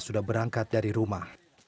sudah berangkat dari rumah